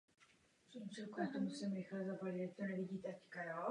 Naše nejistota něco stojí.